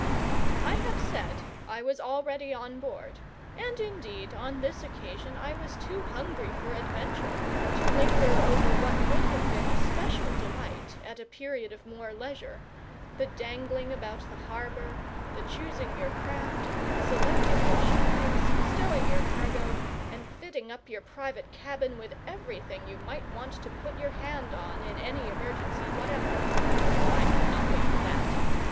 I have said I was already on board; and, indeed, on this occasion I was too hungry for adventure to linger over what would have been a special delight at a period of more leisure the dangling about the harbour, the choosing your craft, selecting your shipmates, stowing your cargo, and fitting up your private cabin with everything you might want to put your hand on in any emergency whatever. I could not wait for that.